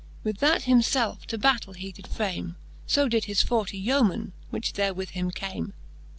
With that him felfe to battell he did frame ; So did his forty yeomen, which there with him came^ XXVI.